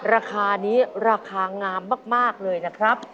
ราคานี้ราคางามมากเลยนะครับ